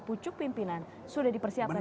pucuk pimpinan sudah dipersiapkan